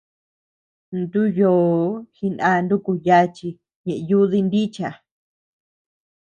Ntú yòò jiná nuku yachi ñeʼe yúdi nícha.